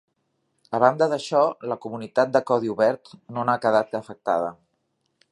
A banda d'això, la comunitat de codi obert no n'ha quedat afectada.